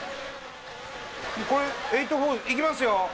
これ８×４行きますよ。